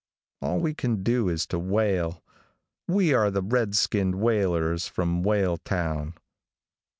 All we can do is to wail. We are the red skinned wailers from Wailtown.